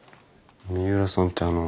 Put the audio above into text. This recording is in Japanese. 三浦さんってあの。